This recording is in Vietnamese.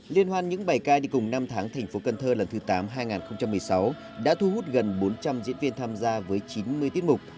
liên hoan những bài ca đi cùng năm tháng thành phố cần thơ lần thứ tám hai nghìn một mươi sáu đã thu hút gần bốn trăm linh diễn viên tham gia với chín mươi tiết mục